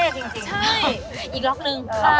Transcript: ใช่อีกล็อกนึง